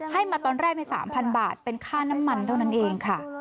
ให้มาตอนแรกใน๓๐๐บาทเป็นค่าน้ำมันเท่านั้นเองค่ะ